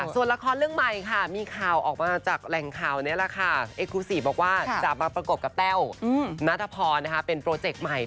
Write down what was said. ส่วนละครเรื่องใหม่ค่ะมีข่าวออกมาจากแหล่งข่าวนี้แหละค่ะเอคูสีบอกว่าจะมาประกบกับแต้วนัทพรเป็นโปรเจกต์ใหม่